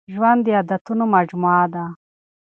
ژوند د عادتونو مجموعه ده.